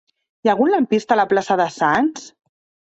Hi ha algun lampista a la plaça de Sants?